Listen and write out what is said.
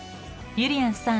ゆりやんさん。